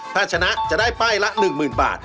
ถ้าชนะจะได้ป้ายละ๑๐๐๐บาท